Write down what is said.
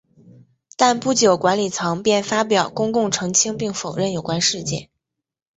但不久管理层便发表公告澄清并否认有关事件。